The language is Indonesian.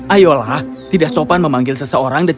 ayolah tidak sopan memanggilnya